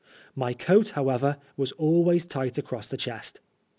My coat, however, was always tight across the chest.